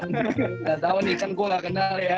gak tau nih kan gue gak kenal ya